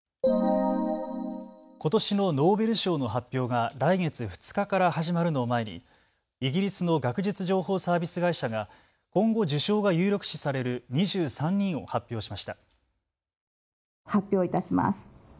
ことしのノーベル賞の発表が来月２日から始まるのを前にイギリスの学術情報サービス会社が今後、受賞が有力視される２３人を発表しました。